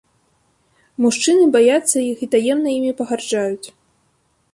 Мужчыны баяцца іх і таемна імі пагарджаюць.